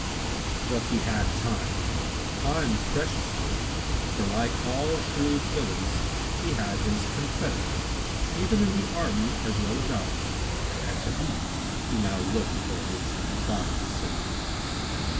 Thus he had time—time precious to him—for, like all shrewd villains, he had his confederates, even in the army as well as out of it, and to these he now looked for his bodily safety.